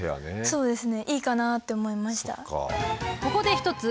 そうですね。